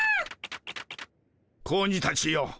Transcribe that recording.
子鬼たちよ。